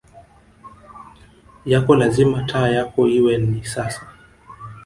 yako lazima taa yako iwe ni sasa